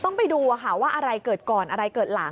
ต้องไปดูว่าอะไรเกิดก่อนอะไรเกิดหลัง